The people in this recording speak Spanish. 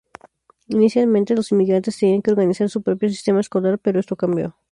Inicialmente, los inmigrantes tenían que organizar su propio sistema escolar, pero esto cambió.